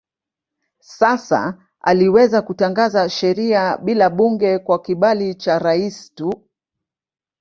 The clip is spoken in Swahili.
Sasa aliweza kutangaza sheria bila bunge kwa kibali cha rais tu.